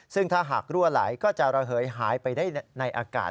ซึ่งถ้าหารั่วไหลก็จะระเหยหายไปได้ในอากาศ